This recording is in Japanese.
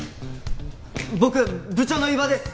僕部長の伊庭です！